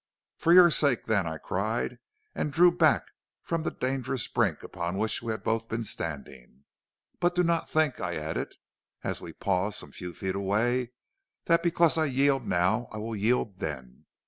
"'For your sake then,' I cried, and drew back from the dangerous brink upon which we had both been standing. 'But do not think,' I added, as we paused some few feet away, 'that because I yield now, I will yield then.